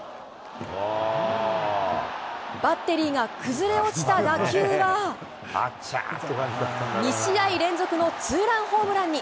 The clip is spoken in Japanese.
バッテリーが崩れ落ちた打球は、２試合連続のツーランホームランに。